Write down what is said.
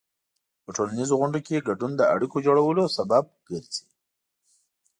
په ټولنیزو غونډو کې ګډون د اړیکو جوړولو سبب ګرځي.